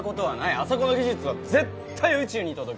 あそこの技術は絶対宇宙に届く